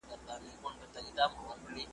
زۀ بریالی پۀ مینه یم، پۀ کرکه دومره یم چې...